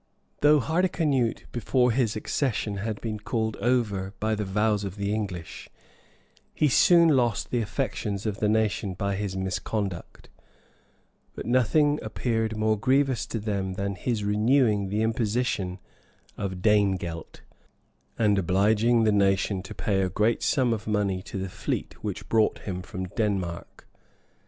Though Hardicanute before his accession had been called over by the vows of the English, he soon lost the affections of the nation by his misconduct; but nothing appeared more grievous to them than his renewing the imposition of danegelt, and obliging the nation to pay a great sum of money to the fleet which brought him from Denmark.